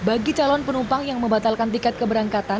bagi calon penumpang yang membatalkan tiket keberangkatan